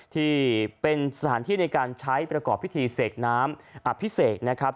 ที่เป็นสถานที่ในการใช้ประกอบพิธีเสกน้ำอภิเษกนะครับ